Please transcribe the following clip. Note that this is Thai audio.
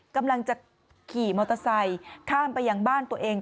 กำลังจะขี่มอเตอร์ไซค์ข้ามไปยังบ้านตัวเอง